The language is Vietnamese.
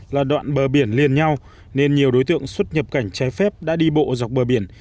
là đoạn bờ biển liền nhau nên nhiều đối tượng xuất nhập cảnh trái phép đã đi bộ dọc bờ biển